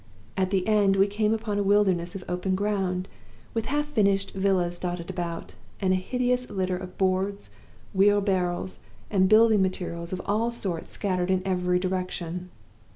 At the end we came upon a wilderness of open ground, with half finished villas dotted about, and a hideous litter of boards, wheelbarrows, and building materials of all sorts scattered in every direction.